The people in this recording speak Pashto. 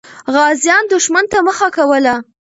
غازیان دښمن ته مخه کوله.